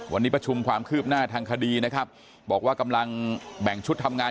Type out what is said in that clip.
วันนี้ประชุมความคืบหน้าทางคดีนะครับบอกว่ากำลังแบ่งชุดทำงาน